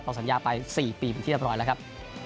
สัญญาไป๔ปีเป็นที่เรียบร้อยแล้วครับ